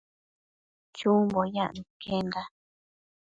Chumbo yacno iquenda